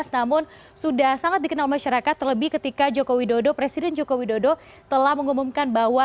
namun sudah sangat dikenal masyarakat terlebih ketika joko widodo presiden joko widodo telah mengumumkan bahwa